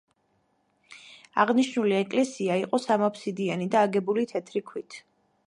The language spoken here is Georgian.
აღნიშნული ეკლესია იყო სამაფსიდიანი და აგებული თეთრი ქვით.